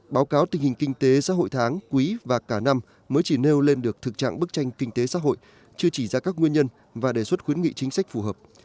báo cáo tình hình kinh tế xã hội tháng quý và cả năm mới chỉ nêu lên được thực trạng bức tranh kinh tế xã hội chưa chỉ ra các nguyên nhân và đề xuất khuyến nghị chính sách phù hợp